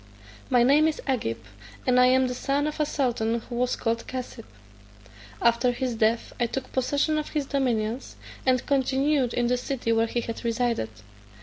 My name is Agib, and I am the son of a sultan who was called Cassib. After his death I took possession of his dominions, and continued in the city where he had resided.